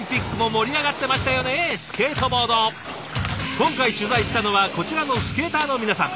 今回取材したのはこちらのスケーターの皆さん。